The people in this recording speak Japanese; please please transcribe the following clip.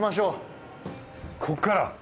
ここから。